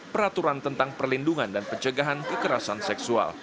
peraturan tentang perlindungan dan pencegahan kekerasan seksual